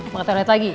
mau ketemu lagi